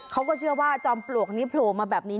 เขาก็เชื่อว่าจอมปลวกนี้โผล่มาแบบนี้